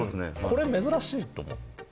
これ珍しいと思ってて。